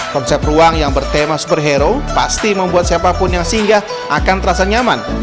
konsep ruang yang bertema superhero pasti membuat siapapun yang singgah akan terasa nyaman